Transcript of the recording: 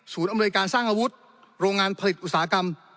อำนวยการสร้างอาวุธโรงงานผลิตอุตสาหกรรม